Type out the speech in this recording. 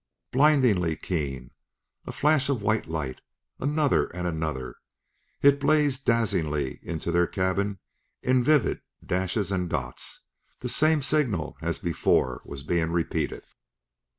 Blindingly keen! A flash of white light! another and another! It blazed dazzlingly into their cabin in vivid dashes and dots the same signal as before was being repeated!